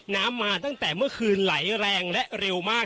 มาตั้งแต่เมื่อคืนไหลแรงและเร็วมาก